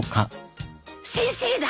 先生だ。